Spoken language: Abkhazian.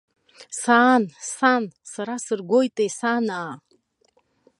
Саан, сан, сара сыргоитеи, санаа.